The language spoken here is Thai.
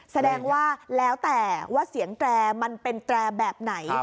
แสดงว่าแล้วแต่ว่าเสียงแตรมันเป็นแตรแบบไหน